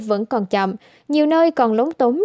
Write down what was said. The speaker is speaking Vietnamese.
vẫn còn chậm nhiều nơi còn lống túng